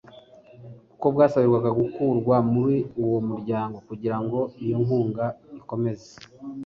kuko bwasabirwaga gukurwa muri uwo mu muryango kugirango iyo nkunga ikomeze